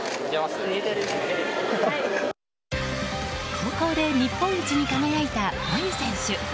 高校で日本一に輝いた真佑選手。